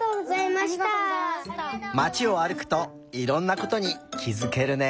まちをあるくといろんなことにきづけるね。